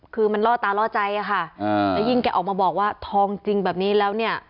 คือมันล่อตาล่อใจอะค่ะแล้วยิ่งแกออกมาบอกว่าทองจริงแบบนี้แล้วเนี่ย